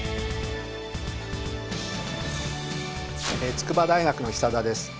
筑波大学の久田です。